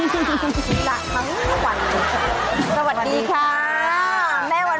สวัสดีค่ะ